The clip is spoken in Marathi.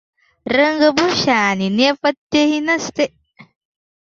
रंगभूषा आणि नेपथ्यही नसते.